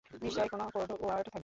নিশ্চয় কোন code word থাকবে।